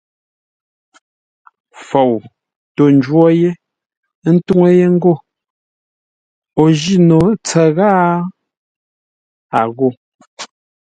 Fou tô ńjwó yé, ə́ ntúŋú yé ngô o jî no ntsə́ ghâa? A ghó.